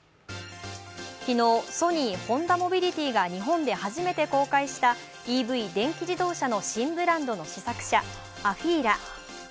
昨日、ソニー・ホンダモビリティが日本で初めて公開したＥＶ＝電気自動車の新ブランドの試作車、ＡＦＥＥＬＡ。